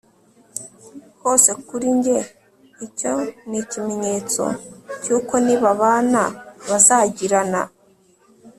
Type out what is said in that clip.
hose Kuri jye icyo ni ikimenyetso cy uko nibabana bazagirana